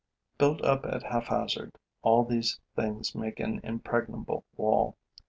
Built up at haphazard, all these things make an impregnable wall.